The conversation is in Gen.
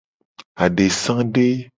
Adesade.